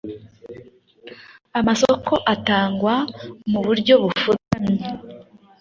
amasoko atangwa mu buryo bufutamye